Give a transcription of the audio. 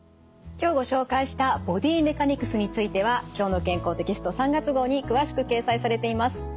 今日ご紹介したボディメカニクスについては「きょうの健康」テキスト３月号に詳しく掲載されています。